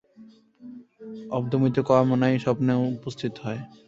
অবদমিত কামনাই স্বপ্নে উপস্থিত হয়।